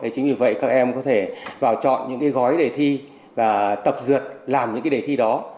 chính vì vậy các em có thể vào chọn những gói để thi và tập dượt làm những đề thi đó